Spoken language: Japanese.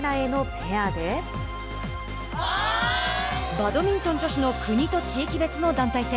バドミントン女子の国と地域別の団体戦。